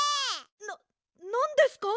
なんですか？